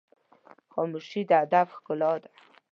خاموشي، د ادب ښکلا ده.